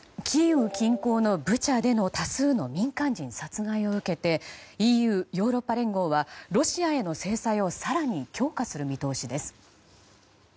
キーウ近郊のブチャでの多数の民間人殺害を受けてＥＵ・ヨーロッパ連合はロシアへの制裁を更に強化する見通しです。